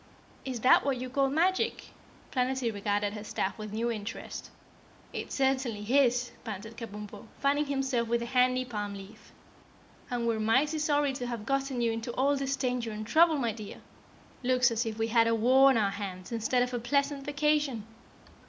"Is that what you call the magic?" Planetty regarded her staff with new interest. "It certainly is!" panted Kabumpo, fanning himself with a handy palm leaf. "And we're mighty sorry to have gotten you into all this danger and trouble, my dear. Looks as if we had a war on our hands instead of a pleasant vacation."